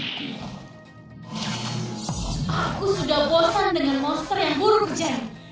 aku sudah bosan dengan monster yang buruk jan